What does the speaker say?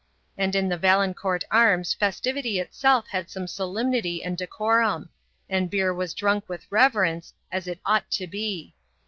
And in the Valencourt Arms festivity itself had some solemnity and decorum; and beer was drunk with reverence, as it ought to be.